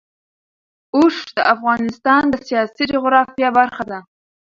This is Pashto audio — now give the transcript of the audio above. اوښ د افغانستان د سیاسي جغرافیه برخه ده.